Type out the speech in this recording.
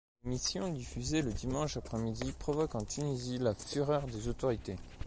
L’émission, diffusée le dimanche après-midi, provoque en Tunisie la fureur des autorités.